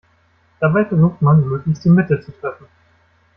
Dabei versucht man, möglichst die Mitte zu treffen.